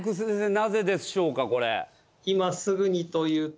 なぜでしょうか？